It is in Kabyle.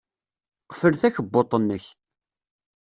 Qfel takebbuḍt-nnek.